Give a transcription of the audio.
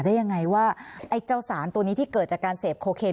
ได้ยังไงว่าไอ้เจ้าสารตัวนี้ที่เกิดจากการเสพโคเคน